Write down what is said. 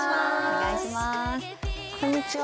こんにちは。